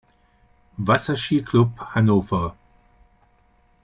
Wasserski-Club Hannover.